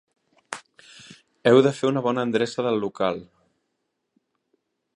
Heu de fer una bona endreça del local.